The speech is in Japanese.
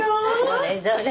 どれどれ？